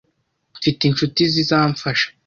Mfite inshuti zizamfasha.